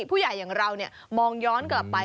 ผู้ใหญ่อย่างเรามองย้อนกลับไป